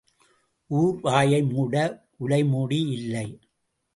ஊர் வாயை மூட உலை மூடி இல்லை.